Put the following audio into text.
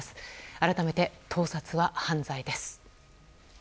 改めて、盗撮は犯罪です。